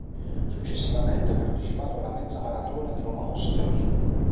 Successivamente ha partecipato alla mezza maratona di Roma-Ostia.